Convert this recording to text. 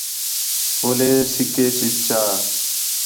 ہولے سِکّے چی چا